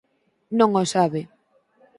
Non o sabe.